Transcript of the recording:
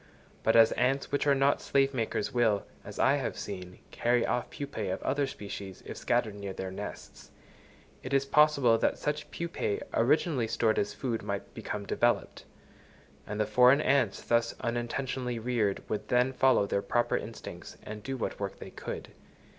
But as ants which are not slave makers, will, as I have seen, carry off pupæ of other species, if scattered near their nests, it is possible that such pupæ originally stored as food might become developed; and the foreign ants thus unintentionally reared would then follow their proper instincts, and do what work they could.